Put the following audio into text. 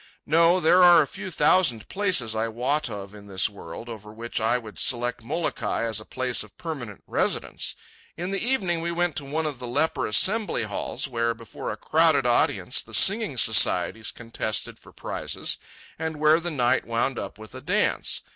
No, there are a few thousand places I wot of in this world over which I would select Molokai as a place of permanent residence. In the evening we went to one of the leper assembly halls, where, before a crowded audience, the singing societies contested for prizes, and where the night wound up with a dance.